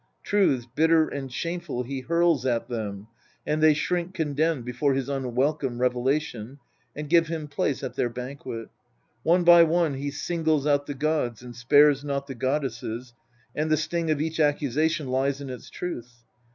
Truths bitter and shameful he hurls at them, and they shrink condemned before his unwelcome revelation, and give him place at their banquet. 'One by one he singles out the gods, and spares not the goddesses, and the sting of each accusation lies in its truth.